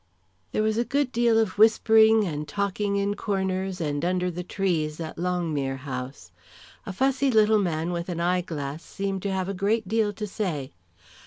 There was a good deal of whispering and talking in corners and under the trees at Longmere House. A fussy little man with an eyeglass seemed to have a great deal to say.